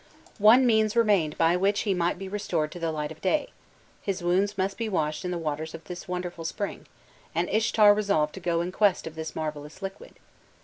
One means remained by which he might be restored to the light of day: his wounds must be washed in the waters of the wonderful spring, and Ishtar resolved to go in quest of this marvellous liquid.